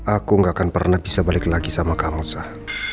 aku tidak akan pernah bisa balik lagi sama kamu sah